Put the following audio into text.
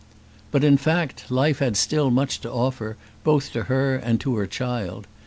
But, in fact, life had still much to offer, both to her and to her child.